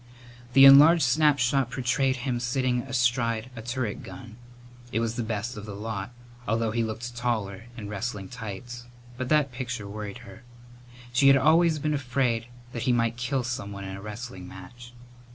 The enlarged snapshot portrayed him sitting astride a turret gun. It was the best of the lot, although he looked taller in wrestling tights, but that picture worried her. She had always been afraid that he might kill someone in a wrestling match.